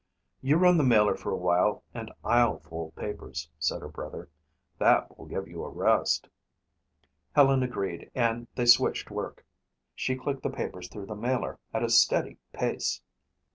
"You run the mailer for a while and I'll fold papers," said her brother. "That will give you a rest." Helen agreed and they switched work. She clicked the papers through the mailer at a steady pace.